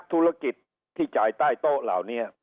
ธุรกิจที่จ่ายใต้โต๊ะเหล่านี้